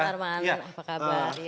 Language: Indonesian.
selamat siang mas arman apa kabar